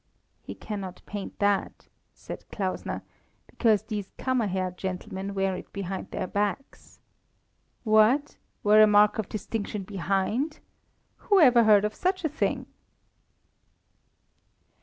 "He cannot paint that," said Klausner, "because these Kammerherr gentlemen wear it behind their backs." "What, wear a mark of distinction behind! Who ever heard of such a thing?"